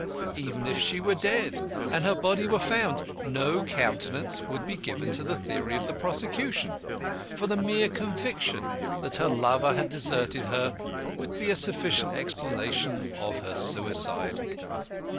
Even if she were dead, and her body were found, no countenance would be given to the theory of the prosecution, for the mere conviction that her lover had deserted her would be a sufficient explanation of her suicide.